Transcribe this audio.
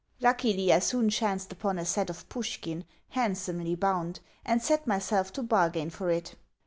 Luckily, I soon chanced upon a set of Pushkin, handsomely bound, and set myself to bargain for it.